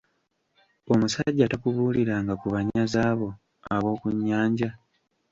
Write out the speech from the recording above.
Omusajja takubuuliranga ku banyazi abo ab'oku nnyanja?